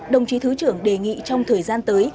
đồng chí thứ trưởng đề nghị trong thời gian tới